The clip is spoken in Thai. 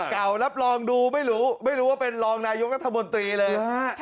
เก่ารับรองดูไม่รู้ไม่รู้ว่าเป็นรองนายกรัฐมนตรีเลย